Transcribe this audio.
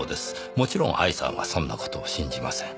もちろん愛さんはそんな事を信じません。